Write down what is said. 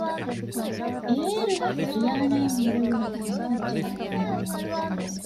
އޭރުވެސް ރިޔާނާ އަށް ހުރެވުނީ ކަންފަތް ޖަހައިގެން